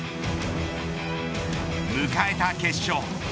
迎えた決勝。